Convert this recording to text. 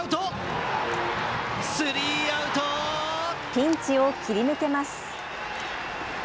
ピンチを切り抜けます。